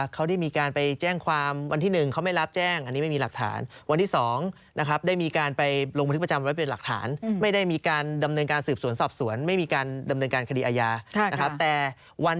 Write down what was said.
คณะความส่วนมืออย่างมากในการรูปรวมอายัดหลักฐาน